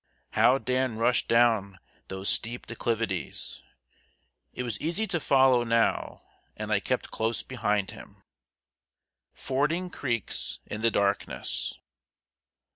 How Dan rushed down those steep declivities! It was easy to follow now, and I kept close behind him. [Sidenote: FORDING CREEKS IN THE DARKNESS.